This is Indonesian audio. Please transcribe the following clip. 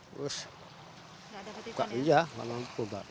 jauh hanya buka nia memang